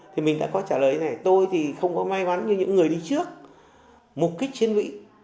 thì mình đã có trả lời như thế này tôi thì không có may mắn như những người đi trước một cái chiến lũy